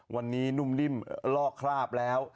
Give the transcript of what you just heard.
วันนี้นุ่มนิ่มลอกคราบแล้ว